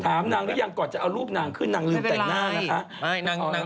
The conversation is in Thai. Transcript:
ถามนางหรือยังก่อนจะเอารูปนางขึ้นนางลืมแต่งหน้านะคะ